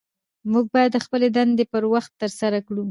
موږ باید خپلې دندې پر وخت ترسره کړو